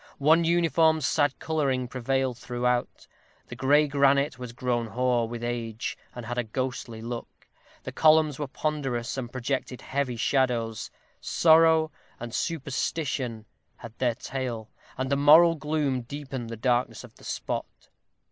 One uniform sad coloring prevailed throughout. The gray granite was grown hoar with age, and had a ghostly look; the columns were ponderous, and projected heavy shadows. Sorrow and superstition had their tale, and a moral gloom deepened the darkness of the spot.